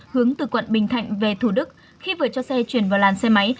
hướng từ quận bình thạnh về thủ đức khi vừa cho xe chuyển vào làn xe máy